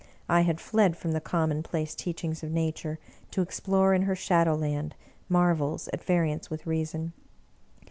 I had fled from the commonplace teachings of Nature, to explore in her Shadowland mar vels at variance with reason.